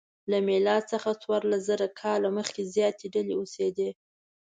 له میلاد څخه څوارلسزره کاله مخکې زیاتې ډلې اوسېدې.